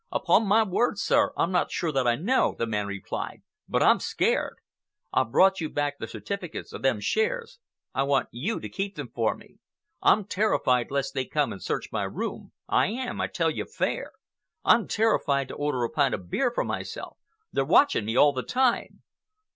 "Upon my word, sir, I'm not sure that I know," the man replied, "but I'm scared. I've brought you back the certificates of them shares. I want you to keep them for me. I'm terrified lest they come and search my room. I am, I tell you fair. I'm terrified to order a pint of beer for myself. They're watching me all the time."